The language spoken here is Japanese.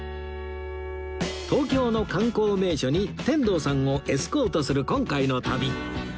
東京の観光名所に天童さんをエスコートする今回の旅